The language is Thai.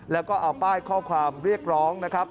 แล้วก็เอาป้ายข้อความเรียกร้องนะครับ